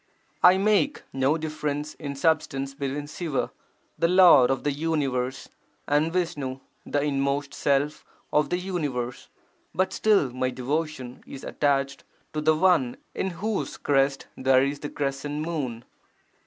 1 make no difference in substance between Siva, the Lord of the universe and Visnu, the inmost Self of the universe. But still my devotion is (attached) to the One in whose crest there is the crescent moon.